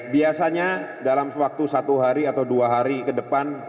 biasanya dalam waktu satu hari atau dua hari ke depan